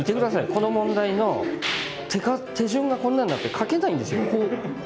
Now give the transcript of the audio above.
この問題の手順がこんなんなって書けないんですよ。